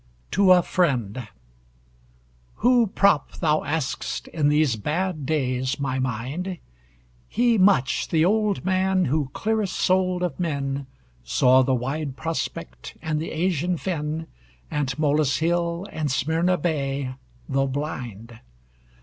TO A FRIEND Who prop, thou ask'st, in these bad days, my mind? He much, the old man, who, clearest souled of men, Saw The Wide Prospect, and the Asian Fen, And Tmolus hill, and Smyrna bay, though blind.